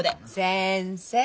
先生！